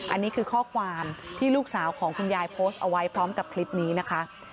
อันนี้คือข้อความที่ลูกสาวของคุณยายโพสต์เอาไว้พร้อมกับคลิปนี้นะคะ